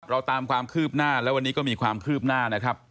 เราตามความคืบหน้าและวันนี้ก็มีความคืบหน้านะครับ